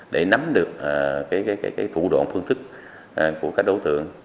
để nắm được thủ đoạn phương thức của các đối tượng